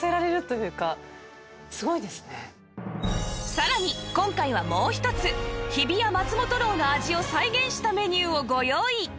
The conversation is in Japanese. さらに今回はもう一つ日比谷松本楼の味を再現したメニューをご用意